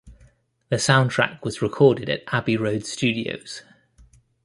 The soundtrack was recorded at Abbey Road Studios.